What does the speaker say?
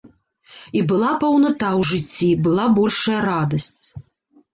І была паўната ў жыцці, была большая радасць.